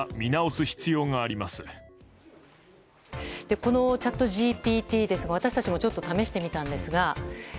このチャットＧＰＴですが私たちもちょっと試してみたんですが